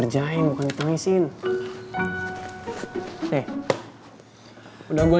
jadi gue ikutan juga